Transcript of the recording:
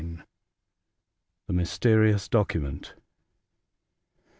THE MYSTERIOUS DOCUMENT.